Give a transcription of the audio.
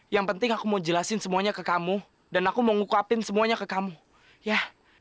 yang penting aku mau jelasin semuanya ke kamu dan aku mau ngukapin semuanya ke kamu ya